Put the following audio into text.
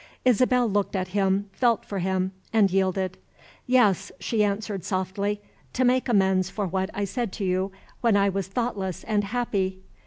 Isabel looked at him, felt for him, and yielded. "Yes," she answered softly; "to make amends for what I said to you when I was thoughtless and happy!"